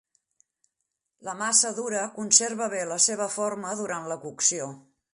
La massa dura conserva bé la seva forma durant la cocció.